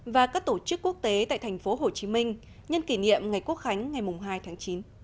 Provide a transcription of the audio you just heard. và các tổ chức quốc tế tại thành phố hồ chí minh nhân kỷ niệm ngày quốc khánh ngày hai tháng chín